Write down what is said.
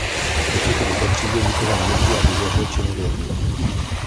Krucifix ve třídě nikoho nenutí, aby věřil či nevěřil.